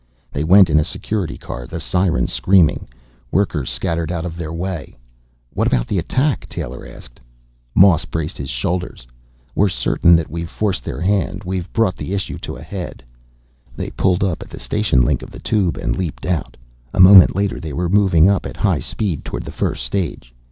They went in a Security Car, the siren screaming. Workers scattered out of their way. "What about the attack?" Taylor asked. Moss braced his shoulders. "We're certain that we've forced their hand. We've brought the issue to a head." They pulled up at the station link of the Tube and leaped out. A moment later they were moving up at high speed toward the first stage.